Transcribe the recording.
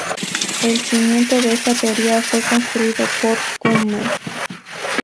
El cimiento de esta teoría fue construido por Kummer.